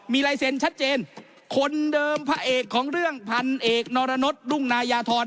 มีลายเซ็นต์ชัดเจนคนเดิมพระเอกของเรื่องพันเอกนรนดรุ่งนายาธร